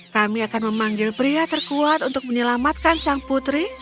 kami akan memanggil pria terkuat untuk menyelamatkan sang putri